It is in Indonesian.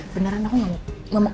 beneran aku gak mau aku pesanin obat